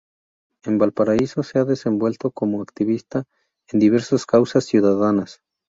En Valparaíso se ha desenvuelto como activista en diversas causas ciudadanas.